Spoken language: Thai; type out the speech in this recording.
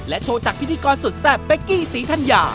โชว์จากพิธีกรสุดแซ่บเป๊กกี้ศรีธัญญา